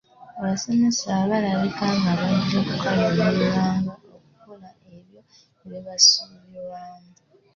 Abasomesa balabika nga bajja kukaluubirirwanga okukola ebyo ebibasuubirwamu.